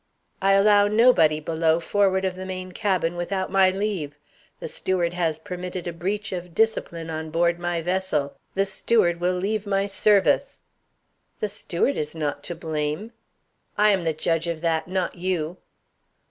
"I allow nobody below, forward of the main cabin, without my leave. The steward has permitted a breach of discipline on board my vessel. The steward will leave my service." "The steward is not to blame." "I am the judge of that. Not you."